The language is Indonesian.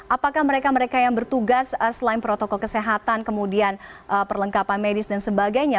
apakah mereka mereka yang bertugas selain protokol kesehatan kemudian perlengkapan medis dan sebagainya